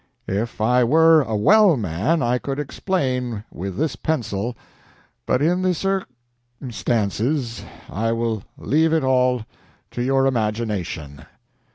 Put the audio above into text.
If I were a well man I could explain with this pencil, but in the cir ces I will leave it all to your imagination.